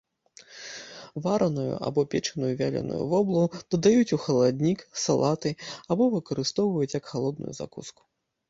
Вараную або печаную вяленую воблу дадаюць у халаднік, салаты або выкарыстоўваюць як халодную закуску.